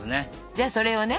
じゃあそれをね